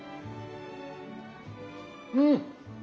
うん！